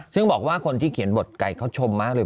ซึ่งบอกว่าคนที่เขียนบทไก่เขาชมมากเลย